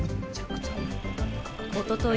おととい